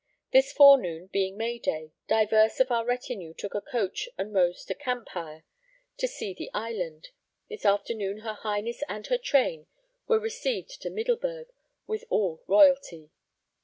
This forenoon, being May Day, divers of our retinue took a coach and rode to Camphire to see the Island; this afternoon her Highness and her train were received into Middelburg with all royalty.